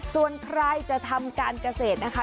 ส่วนใครจะทำการเกษตรนะคะ